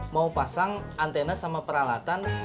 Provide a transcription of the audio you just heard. mau pasang antena sama peralatan